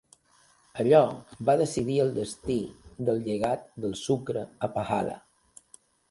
Allò va decidir el destí del llegat del sucre a Pahala.